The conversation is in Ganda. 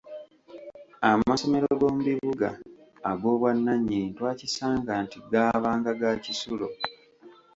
Amasomero g’omu bibuga ag’obwannannyini twakisanga nti gaabanga ga kisulo.